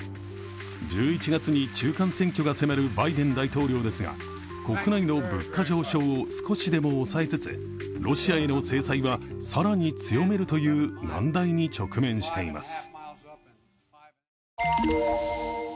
１１月に中間選挙が迫るバイデン大統領ですが、国内の物価上昇を少しでも抑えつつロシアへの制裁は更に強めるという難題に直面しています。